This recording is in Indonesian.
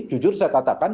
jujur saya katakan